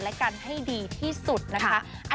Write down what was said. และกันให้ดีที่สุดนะคะ